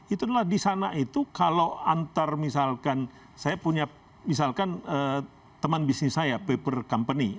itu adalah di sana itu kalau antar misalkan saya punya misalkan teman bisnis saya paper company